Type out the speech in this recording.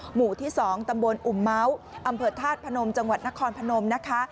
หมู่ที่๒ตำบลอุ่มเมาส์อำเภอธาตุพนมจังหวัดนครพนมนะคะ